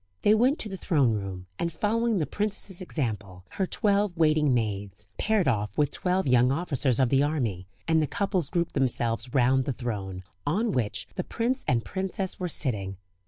They went to the throne room, and following the princess's example, her twelve waiting maids paired off with twelve young officers of the army, and the couples grouped themselves round the throne, on which the prince and princess were sitting.